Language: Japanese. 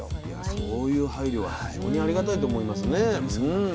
そういう配慮は非常にありがたいと思いますね。